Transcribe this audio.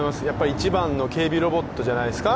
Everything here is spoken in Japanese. １番の警備ロボットじゃないですか？